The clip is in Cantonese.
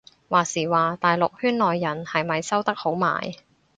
話時話大陸圈內人係咪收得好埋